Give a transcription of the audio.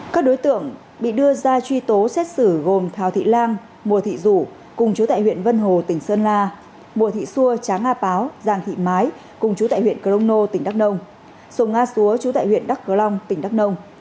các đối tượng bị đưa ra truy tố xét xử gồm thảo thị lan mùa thị dũ cùng chú tại huyện vân hồ tỉnh sơn la mùa thị xua tráng a páo giang thị mái cùng chú tại huyện cờ long nô tỉnh đắk nông sùng a xúa chú tại huyện đắk cờ long tỉnh đắk nông